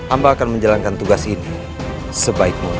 ambal akan menjalankan tugas ini sebaik mungkin